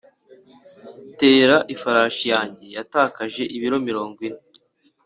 'tera ifarashi yanjye yatakaje ibiro mirongo ine.